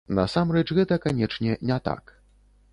Насамрэч, гэта, канечне, не так.